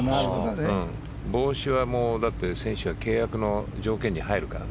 帽子は選手の契約の条件に入るからね。